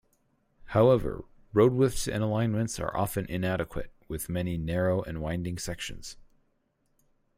However, road widths and alignments are often inadequate, with many narrow and winding sections.